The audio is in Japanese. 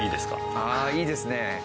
ああいいですね。